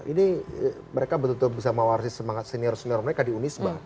ini mereka betul betul bisa mewarisi semangat senior senior mereka di unisba